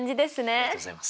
ありがとうございます。